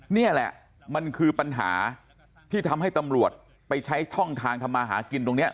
นี่แหละมันคือปัญหาที่ทำให้ตำรวจไปใช้ช่องทางทำมาหากินตรงนี้